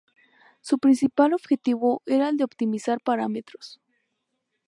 Su principal objetivo era el de optimizar parámetros.